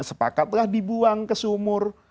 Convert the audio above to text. sepakatlah dibuang ke sumur